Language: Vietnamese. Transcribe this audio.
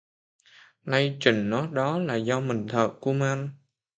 Nay trình nói đó là do mình thờ kuman